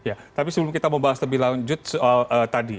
ya tapi sebelum kita membahas lebih lanjut soal tadi